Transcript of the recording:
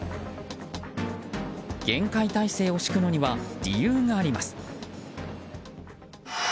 厳戒態勢を敷くのには理由があります。